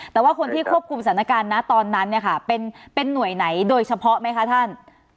แต่ว่าคนที่ควบคุมสถานการณ์นะตอนนั้นเนี่ยค่ะเป็นหน่วยไหนโดยเฉพาะไหมคะท่าน